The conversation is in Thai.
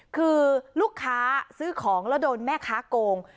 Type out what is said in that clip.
คือลูกค้าซื้อของแล้วโดนแม่ค้าโกง